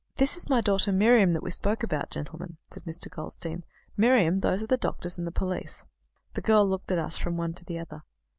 "This is my daughter Miriam that we spoke about, gentlemen," said Mr. Goldstein. "Miriam, those are the doctors and the police." The girl looked at us from one to the other.